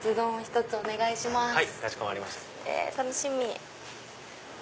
楽しみ！